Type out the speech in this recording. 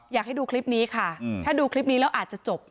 อยากให้ดูคลิปนี้ค่ะถ้าดูคลิปนี้แล้วอาจจะจบ